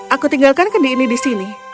aku tinggalkan kendi ini di sini